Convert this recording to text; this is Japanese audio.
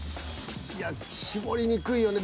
いや絞りにくいよね。